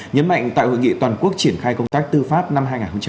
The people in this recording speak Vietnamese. nhấn mạnh tại hội nghị toàn quốc triển khai công tác tư pháp năm hai nghìn hai mươi bốn